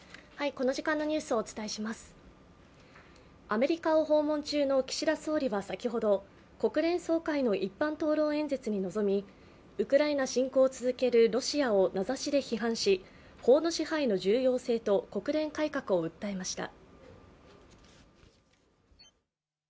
アメリカを訪問中の岸田総理は先ほど国連総会の一般討論演説に臨みウクライナ侵攻を続けるロシアを名指しで批判し法の支配の重要性と国連改革を訴えました。